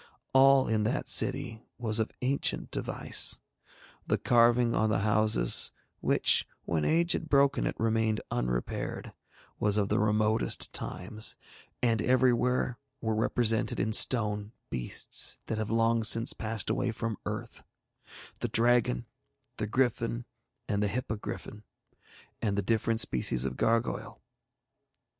All in that city was of ancient device; the carving on the houses, which, when age had broken it, remained unrepaired, was of the remotest times, and everywhere were represented in stone beasts that have long since passed away from Earth the dragon, the griffin, and the hippogriffin, and the different species of gargoyle.